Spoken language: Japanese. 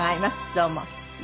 どうも。